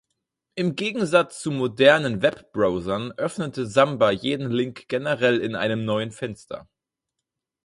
Im Gegensatz zu moderneren Webbrowsern öffnete Samba jeden Link generell in einem neuen Fenster.